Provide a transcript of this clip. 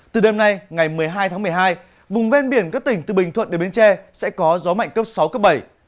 từ đêm nay ngày một mươi hai tháng một mươi hai vùng ven biển các tỉnh từ bình thuận đến bến tre sẽ có gió mạnh cấp sáu cấp bảy